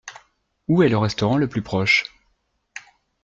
Où est le restaurant le plus proche ?